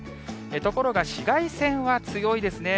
ところが紫外線は強いですね。